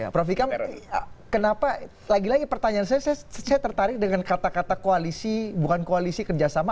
prof ikam kenapa lagi lagi pertanyaan saya saya tertarik dengan kata kata koalisi bukan koalisi kerjasama